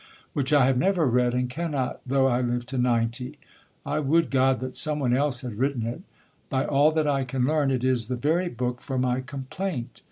which I have never read, and cannot though I live to ninety. I would God that someone else had written it! By all that I can learn, it is the very book for my complaint.